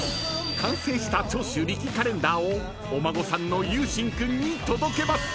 ［完成した長州力カレンダーをお孫さんの由真君に届けます］